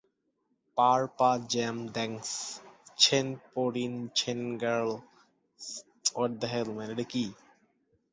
শার-পা-'জাম-দ্ব্যাংস-ছেন-পো-রিন-ছেন-র্গ্যাল-ম্ত্শানের জ্যৈষ্ঠ ভ্রাতা য়ে-শেস-রিন-ছেন তাকে কালচক্র তন্ত্র সম্বন্ধে শিক্ষাদান করেন এবং তাকে কুবলাই খানের রাজদরবারে নিয়ে যান।